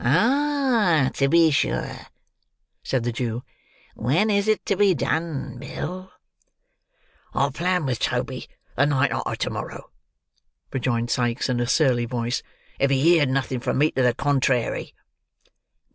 "Ah, to be sure," said the Jew; "when is it to be done, Bill?" "I planned with Toby, the night arter to morrow," rejoined Sikes in a surly voice, "if he heerd nothing from me to the contrairy."